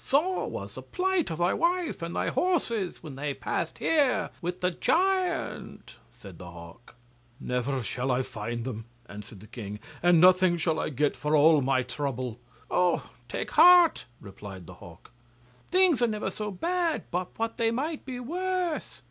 'Sore was the plight of thy wife and thy horses when they passed here with the giant,' said the hawk. 'Never shall I find them,' answered the king, 'and nothing shall I get for all my trouble.' 'Oh, take heart,' replied the hawk; 'things are never so bad but what they might be worse.